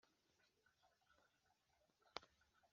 ibyemezo hakorwa amasezerano.